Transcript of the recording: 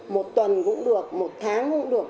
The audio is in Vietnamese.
một tuần cũng được một tháng cũng được